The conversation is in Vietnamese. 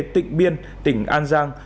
tỉnh biên tỉnh an giang